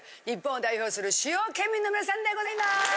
日本を代表する主要県民の皆さんでございます！